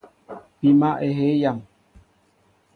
Pima ehey yam.